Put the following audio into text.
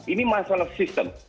ini masalah sistem